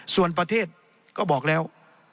ส่วนประเทศก็บอกแล้ว